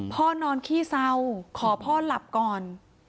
พ่อนอนขี้เศร้าขอพ่อหลับก่อน